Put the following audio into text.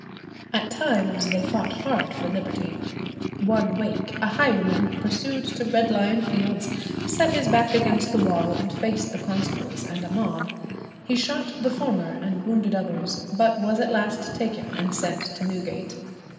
At times they fought hard for liberty. "One Wake, a highwayman, pursued to Red Lion Fields, set his back against the wall and faced the constables and mob. He shot the former, and wounded others, but was at last taken and sent to Newgate."